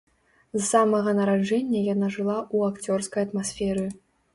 З самага нараджэння яна жыла ў акцёрскай атмасферы.